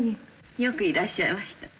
よくいらっしゃいました。